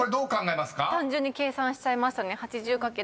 単純に計算しましたね。